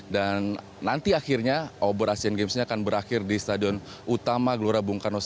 dan nanti akhirnya obor asian games ini akan berakhir di stadion utama gelora bungkanos